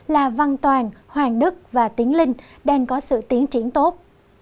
là văn toàn hoàng đức và tiến linh đang có sự tiến triển tốt